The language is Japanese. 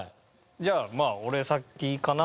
じゃあ俺先かな。